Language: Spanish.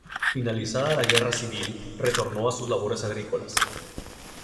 Finalizada la guerra civil, retornó a sus labores agrícolas.